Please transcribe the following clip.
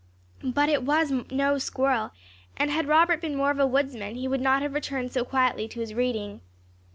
But it was no squirrel, and had Robert been more of a woodsman he would not have returned so quietly to his reading.